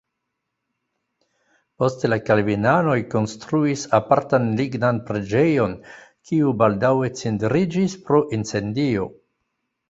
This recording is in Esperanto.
Poste la kalvinanoj konstruis apartan lignan preĝejon, kiu baldaŭe cindriĝis pro incendio.